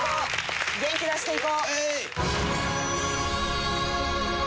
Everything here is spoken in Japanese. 元気出していこう！